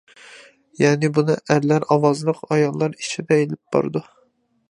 يەنى بۇنى ئەرلەر ئاۋازلىق، ئاياللار ئىچىدە ئېلىپ بارىدۇ.